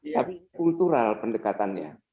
tapi kultural pendekatannya